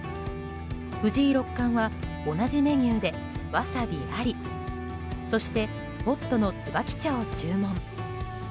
藤井六冠は同じメニューでワサビありそしてホットの椿茶を注文。